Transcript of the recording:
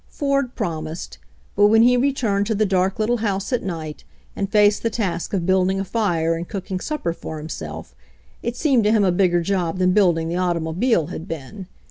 Ford promised, but when he returned to the dark little house at night and faced the task of building a fire and cooking supper for himself it seemed to him a bigger job than building the automobile had been.